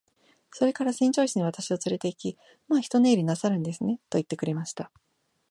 それから船長室に私をつれて行き、「まあ一寝入りしなさるんですね。」と言ってくれました。